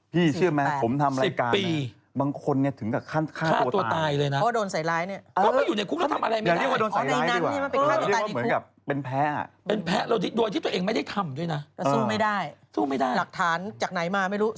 พี่เชื่อไหมผมทำรายการ